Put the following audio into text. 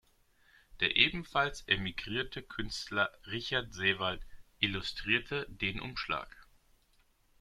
Der ebenfalls emigrierte Künstler Richard Seewald illustrierte den Umschlag.